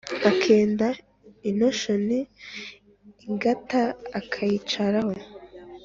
akenda intoshon’ingata akayicaraho,